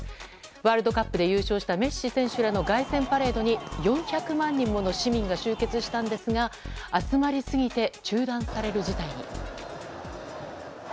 ワールドカップで優勝したメッシ選手らの凱旋パレードに４００万人もの市民が集結したんですが集まりすぎて中断される事態に。